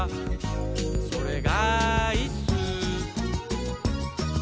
「それがいっすー」